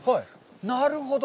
なるほど！